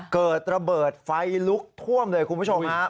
เกิดระเบิดไฟลุกท่วมเลยคุณผู้ชมฮะ